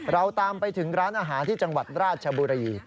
เราตามไปถึงร้านอาหารที่จังหวัดราชบุรี